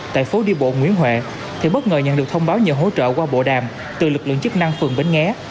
tại phố đi bộ nguyễn huệ thì bất ngờ nhận được thông báo nhờ hỗ trợ qua bộ đàm từ lực lượng chức năng phường bến nghé